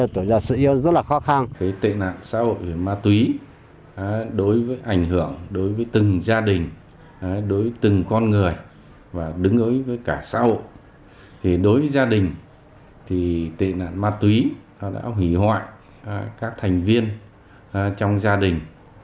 trong gia đình thì tệ nạn ma túy đã hủy hoại các thành viên trong gia đình